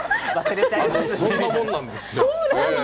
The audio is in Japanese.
そんなもんなんですよ。